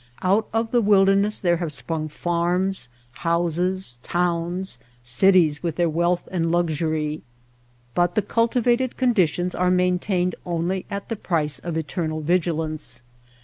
Out of the wilderness there have sprung farms, houses, towns, cities with their wealth and lux ury. But the cultivated conditions are main tained only at the price of eternal vigilance.